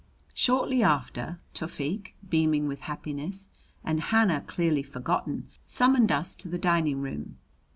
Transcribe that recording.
Shortly after, Tufik, beaming with happiness and Hannah clearly forgotten, summoned us to the dining room.